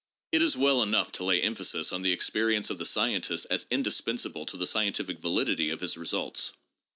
It is well enough to lay emphasis on the experience of the scientist as indispensable to the scientific validity of his results.